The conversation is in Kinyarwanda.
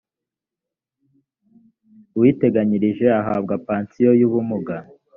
uwiteganyirije ahabwe pansiyo y ubumuga